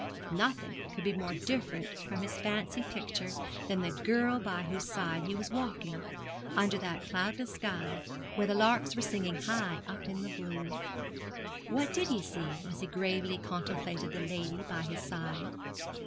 Nothing could be more different from his fancy picture than the girl by whose side he was walking, under that cloudless sky, where the larks were singing high up in the blue. What did he see, as he gravely contemplated the lady by his side?